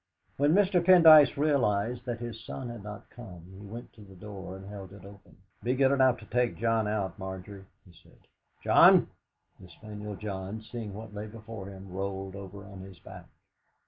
When Mr. Pendyce realised that his son had not come, he went to the door and held it open. "Be good enough to take John out, Margery," he said. "John!" The spaniel John, seeing what lay before him, rolled over on his back.